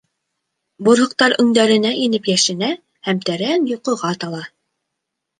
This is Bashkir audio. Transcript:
Бурһыҡтар өңдәренә инеп йәшенә һәм тәрән йоҡоға тала.